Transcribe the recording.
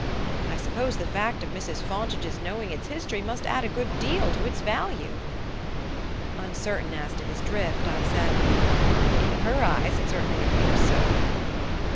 I suppose the fact of Mrs. Fontage's knowing its history must add a good deal to its value?" Uncertain as to his drift, I said: "In her eyes it certainly appears to."